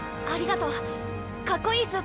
ありがとう。